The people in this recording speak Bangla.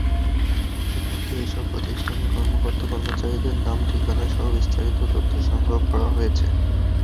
ইতিমধ্যে এসব প্রতিষ্ঠানের কর্মকর্তা-কর্মচারীদের নাম, ঠিকানাসহ বিস্তারিত তথ্য সংগ্রহ করা হয়েছে।